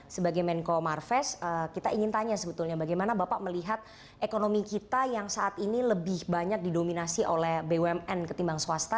sebagai menko marves kita ingin tanya sebetulnya bagaimana bapak melihat ekonomi kita yang saat ini lebih banyak didominasi oleh bumn ketimbang swasta